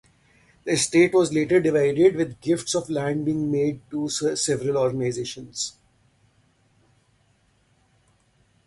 The estate was later divided, with gifts of land being made to several organizations.